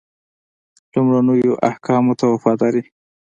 لومړنیو احکامو ته وفاداري.